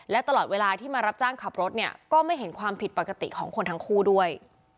และตลอดเวลาที่มารับจ้างขับรถเนี่ยก็ไม่เห็นความผิดปกติของคนทั้งคู่ด้วย